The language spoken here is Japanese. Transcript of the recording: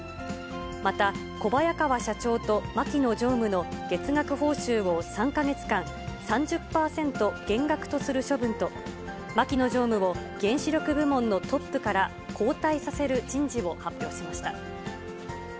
また、小早川社長と牧野常務の月額報酬を３か月間、３０％減額とする処分と、牧野常務を原子力部門のトップから交代させる人事を発表しました。